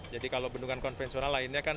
jadi kalau bendungan konvensional lainnya kan